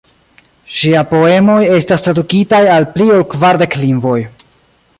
Ŝia poemoj estas tradukitaj al pli ol kvardek lingvoj.